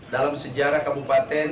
dalam sejarah kabupaten